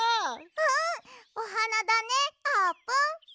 うんおはなだねあーぷん。